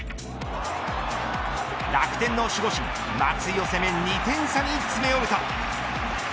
楽天の守護神、松井を攻め２点差に詰め寄ると。